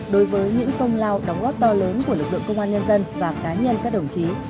đối với những công lao đóng góp to lớn của lực lượng công an nhân dân và cá nhân các đồng chí